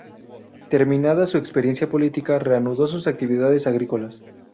Terminada su experiencia política, reanudó sus actividades agrícolas.